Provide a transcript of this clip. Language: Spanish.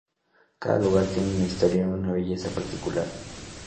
Cada lugar tiene una historia y una belleza particular.